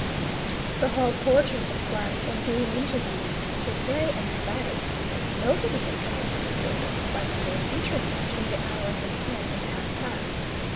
The hall porter of the flats, on being interviewed, was very emphatic that nobody had come into the building by the main entrance between the hours of ten and half past.